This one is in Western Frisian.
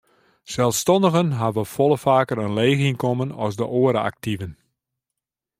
Selsstannigen hawwe folle faker in leech ynkommen as de oare aktiven.